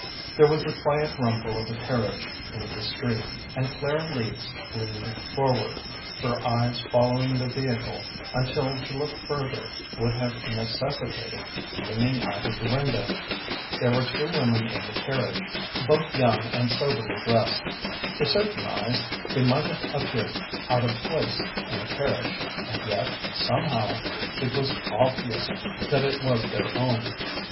There was the quiet rumble of a carriage in the street, and Clara Leeds leaned forward, her eyes following the vehicle until to look further would have necessitated leaning out of the window. There were two women in the carriage, both young and soberly dressed. To certain eyes they might have appeared out of place in a carriage, and yet, somehow, it was obvious that it was their own.